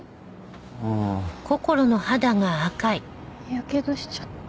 やけどしちゃった。